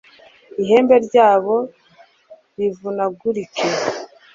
ihembe ryabo rivunagurike